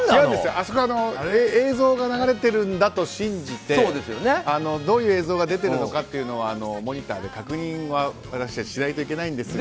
あそこは映像が流れているんだと信じてどういう映像が出てるのかモニターで確認は私たちしないといけないんですが。